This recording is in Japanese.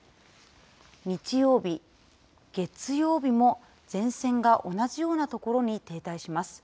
日曜日月曜日も前線が同じようなところに停滞します。